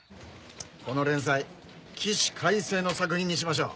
この連載起死回生の作品にしましょう。